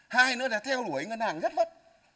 hai nữa là theo đuổi ngân hàng rất vất